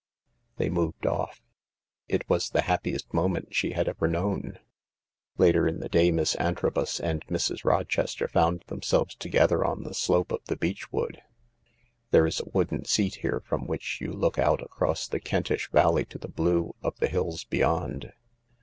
They moved off. It was the happiest moment she had ever known. Later in the day Miss Antrobus and Mrs. Rochester found themselves together on the slope of the beech wood. There is a wooden seat here from which you look out across the Kentish valley to the blue of the hills beyond.